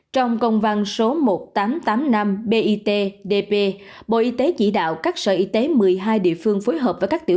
trong công văn số một nghìn tám trăm tám mươi năm bitdp bộ y tế chỉ đạo các sở y tế một mươi hai địa phương phối hợp với các tiểu